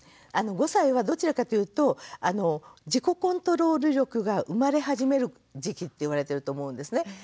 ５歳はどちらかというと自己コントロール力が生まれ始める時期って言われてると思うんですね。